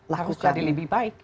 harus jadi lebih baik